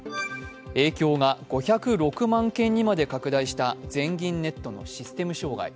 影響が５０６万件にまで拡大した全銀ネットのシステム障害。